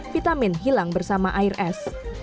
vitamin hilang bersama air es